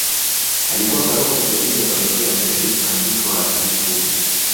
Alikuwa paroko msaidizi wa parokia ya mtakatifu Fransisco wa Assis Pugu